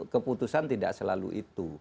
keputusan tidak selalu itu